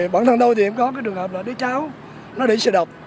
bản thân tôi thì em có cái trường hợp là đứa cháu nó đi xe đập